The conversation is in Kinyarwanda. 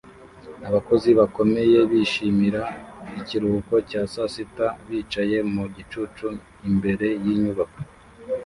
Abakozi bakomeye bishimira ikiruhuko cya sasita bicaye mu gicucu imbere yinyubako